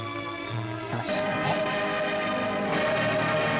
そして。